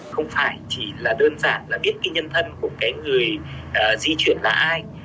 không phải chỉ là đơn giản là biết cái nhân thân của cái người di chuyển là ai